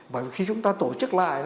bởi vì khi chúng ta tổ chức lại